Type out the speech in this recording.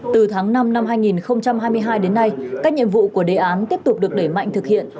từ tháng năm năm hai nghìn hai mươi hai đến nay các nhiệm vụ của đề án tiếp tục được đẩy mạnh thực hiện